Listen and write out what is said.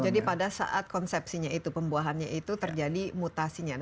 jadi pada saat konsepsi pembuahan terjadi mutasi